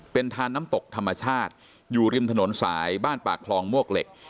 เป็นทานน้ำตกธรรมชาติอยู่ริมถนนสายบ้านปากคลองมวกเหล็ก